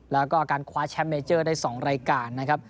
แล้วก็การคว้าแชมป์เมเจอร์ได้๒รายการนะครับ